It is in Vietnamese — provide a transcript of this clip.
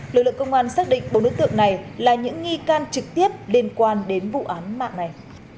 lực lượng công an xác định bốn đối tượng này là những nghi can trực tiếp liên quan đến vụ án mạng này